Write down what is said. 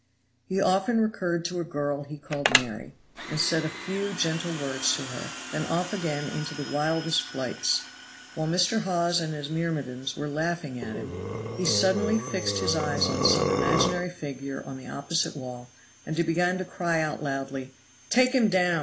He often recurred to a girl he called Mary, and said a few gentle words to her; then off again into the wildest flights. While Mr. Hawes and his myrmidons were laughing at him, he suddenly fixed his eyes on some imaginary figure on the opposite wall and began to cry out loudly, "Take him down.